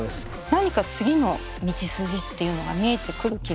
何か次の道筋っていうのが見えてくる気がするんですよね。